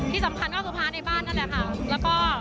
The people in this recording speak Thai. ที่สำคัญก็คือพระในบ้านนั่นแหละค่ะแล้วก็